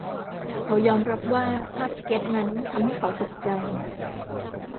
เขายอมรับว่าภาพสเก๊ตช์นั้นทำให้เขาตกใจ